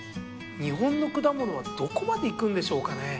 日本の果物はどこまでいくんでしょうかね。